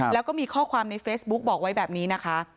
แล้วก็มีข้อความในเฟซบุ๊คบอกไว้แบบนี้นะคะ